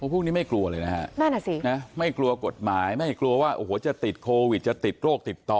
พวกนี้ไม่กลัวเลยนะฮะนั่นอ่ะสินะไม่กลัวกฎหมายไม่กลัวว่าโอ้โหจะติดโควิดจะติดโรคติดต่อ